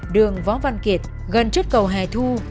đường võ văn kiệt gần chất cầu hà thu